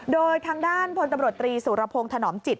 โดยทางด้านพตศุรพงศ์ถนอมจิต